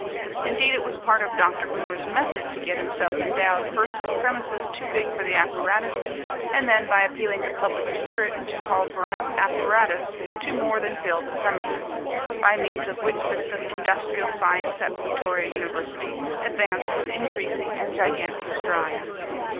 Indeed it was part of Dr. Boomer's method to get himself endowed first with premises too big for the apparatus, and then by appealing to public spirit to call for enough apparatus to more than fill the premises, by means of which system industrial science at Plutoria University advanced with increasing and gigantic strides.